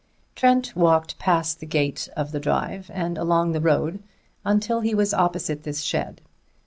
Trent walked past the gate of the drive and along the road until he was opposite this shed.